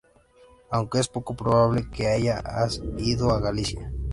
Aunque es poco probable que ella ha ido a Galicia.